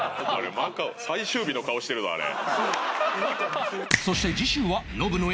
マカオ最終日の顔してるぞあれ。